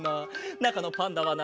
なかのパンダはな